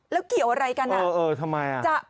แล้วเกี่ยวอะไรกันอย่างนั้นเขาจะไปเออทำไม